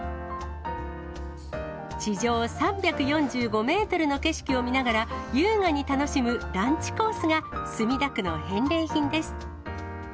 地上３４５メートルの景色を見ながら、優雅に楽しむランチコースが墨田区の返礼品です。